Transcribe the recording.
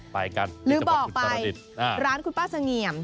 ไปกันหรือบอกไปร้านคุณป้าเสงี่ยม